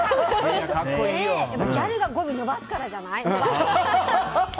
ギャルが語尾伸ばすからじゃない？